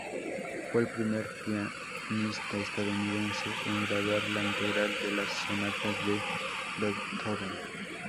Fue el primer pianista estadounidense en grabar la integral de las sonatas de Beethoven.